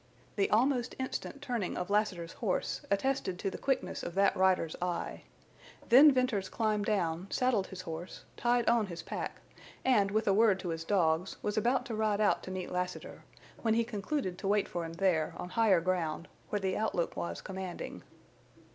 The almost instant turning of Lassiter's horse attested to the quickness of that rider's eye. Then Venters climbed down, saddled his horse, tied on his pack, and, with a word to his dogs, was about to ride out to meet Lassiter, when he concluded to wait for him there, on higher ground, where the outlook was commanding.